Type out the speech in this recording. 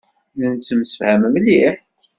Nettemsefham mliḥ.